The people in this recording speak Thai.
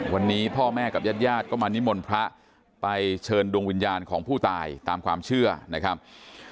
วันนี้พ่อแม่กับญาติญาติก็มานิมนต์พระไปเชิญดวงวิญญาณของผู้ตายตามความเชื่อนะครับ